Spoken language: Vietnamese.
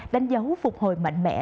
đánh dấu phục hồi mạnh mẽ